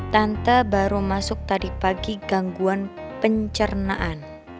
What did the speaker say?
tante baru masuk tadi pagi gangguan pencernaan